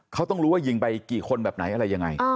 เขาต้องรู้ว่ายิงไปกี่คนแบบไหนอะไรยังไง